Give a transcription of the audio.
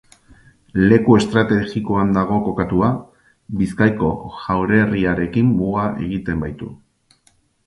Leku estrategikoan dago kokatua, Bizkaiko Jaurerriarekin muga egiten baitu.